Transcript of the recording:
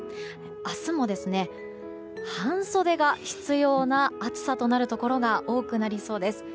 明日も半袖が必要な暑さとなるところが多くなりそうです。